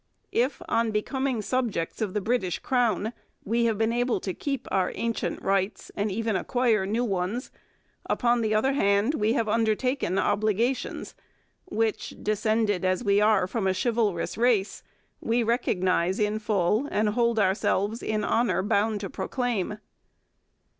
If, on becoming subjects of the British Crown, we have been able to keep our ancient rights and even acquire new ones, upon the other hand we have undertaken obligations which, descended as we are from a chivalrous race, we recognize in full and hold ourselves in honour bound to proclaim.